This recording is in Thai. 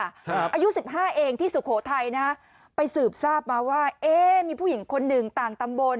อายุสิบห้าเองที่สุโขทัยนะฮะไปสืบทราบมาว่าเอ๊ะมีผู้หญิงคนหนึ่งต่างตำบล